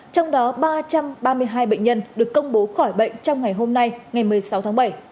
trong đó ba trăm ba mươi hai bệnh nhân được công bố khỏi bệnh trong ngày hôm nay ngày một mươi sáu tháng bảy